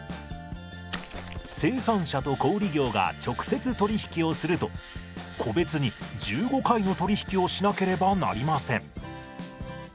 生産者と小売業が直接取り引きをすると個別に１５回の取り引きをしなければなりません。